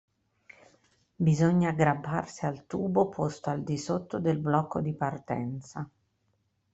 Bisogna aggrapparsi al tubo posto al di sotto del blocco di partenza.